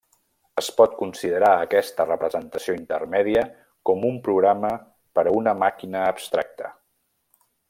Es pot considerar aquesta representació intermèdia com un programa per a una màquina abstracta.